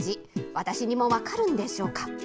私にも分かるんでしょうか。